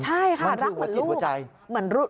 ใช่ค่ะรักเหมือนลูกเหมือนจิตหัวใจค่ะค่ะรักเหมือนลูก